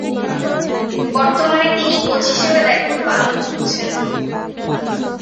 বর্তমানে তিনি কোচ হিসেবে দায়িত্ব পালন করছেন।